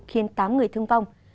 khiến tám người thương vong